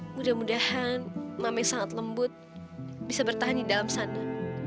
mudah mudahan mame sangat lembut bisa bertahan di dalam sana